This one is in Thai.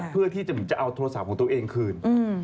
เพื่อที่จะเอาโทรศัพท์ของตัวเองคืน